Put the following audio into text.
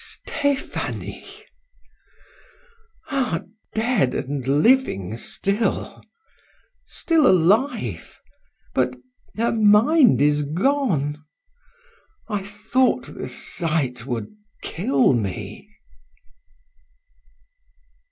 "Stephanie.... Ah! dead and yet living still; still alive, but her mind is gone! I thought the sight would kill me."